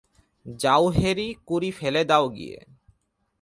যাও হ্যাঁড়ি কুড়ি ফেলে দাও গিয়ে।